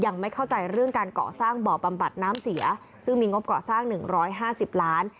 ยังไม่เข้าใจเรื่องการเกาะสร้างบ่อบัมบัติน้ำเสียซึ่งมีงบเกาะสร้างหนึ่งร้อยห้าสิบล้าน